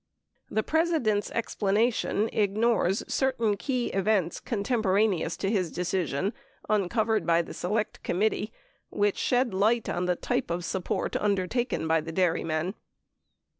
The President's explanation ignores certain key events contempo raneous to his decision uncovered by the Select Committee which shed light on the type of "support" undertaken by the dairymen.